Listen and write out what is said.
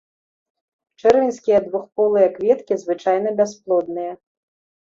Чэрвеньскія двухполыя кветкі звычайна бясплодныя.